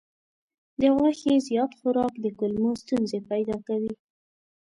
د غوښې زیات خوراک د کولمو ستونزې پیدا کوي.